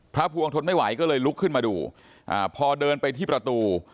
พวงทนไม่ไหวก็เลยลุกขึ้นมาดูอ่าพอเดินไปที่ประตู